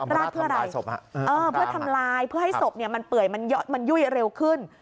ราดเพื่ออะไรเพื่อทำลายเพื่อให้ศพมันเปื่อยมันยุ่ยเร็วขึ้น